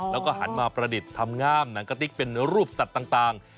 แล้วก็หันมาประดิษฐ์ทำง่ามหนังกะติ๊กเป็นรูปสัตว์ต่าง